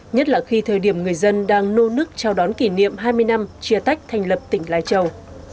nhất là khi thời điểm người dân đang nô nức trao đón kỷ niệm hai mươi năm chia tách thành lập tỉnh lai châu